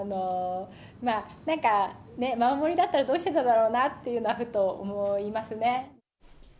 なんか、ママ森だったら、どうしてただろうなって、ふと思いますね。